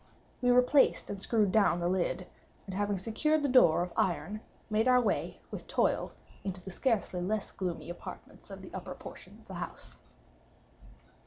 We replaced and screwed down the lid, and, having secured the door of iron, made our way, with toil, into the scarcely less gloomy apartments of the upper portion of the house.